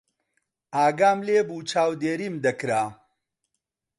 ئاگام لێ بوو چاودێریم دەکرا.